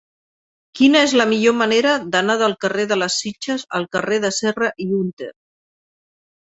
Quina és la millor manera d'anar del carrer de les Sitges al carrer de Serra i Hunter?